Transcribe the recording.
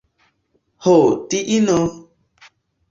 Ho, diino!